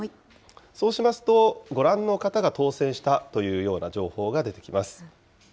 そうしますと、ご覧の方が当選したというような情報が出てきます。